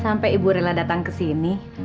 sampai ibu rela datang ke sini